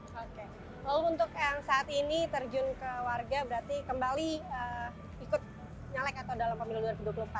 oke lalu untuk yang saat ini terjun ke warga berarti kembali ikut nyalek atau dalam pemilu dua ribu dua puluh empat